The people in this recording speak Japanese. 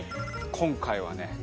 今回はね